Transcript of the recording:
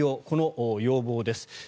この要望です。